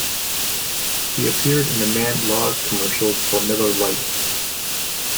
He appeared in the Man Laws commercials for Miller Lite.